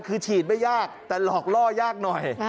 คือฉีดไม่ยากแต่หลอกล่อยากหน่อย